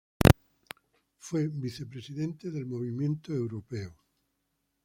Fue vicepresidente del Movimiento Europeo.